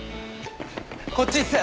こっちっす！